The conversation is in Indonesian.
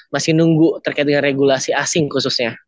masih nunggu terkait dengan regulasi asing khususnya